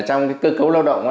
ở trong cái cơ cấu lao động